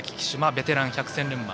ベテラン、百戦錬磨。